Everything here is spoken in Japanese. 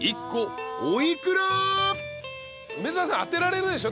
梅沢さん当てられるでしょ。